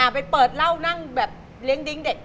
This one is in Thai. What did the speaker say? ไปเปิดเหล้านั่งแบบเลี้ยงดิ้งเด็ก